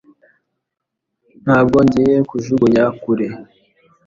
Ntabwo ngiye kujugunya kure